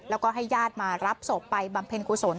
แล้วก็ให้ญาติมารับศพไปบำเพ็ญกุศล